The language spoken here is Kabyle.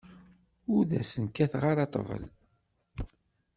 Ur sen-kkateɣ ara ṭṭbel.